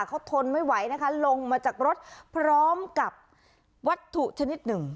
เขาทนไม่ไหวนะคะลงมาจากรถพร้อมกับวัตถุชนิดหนึ่ง